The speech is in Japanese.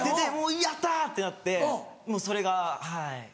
やった！ってなってもうそれがはい。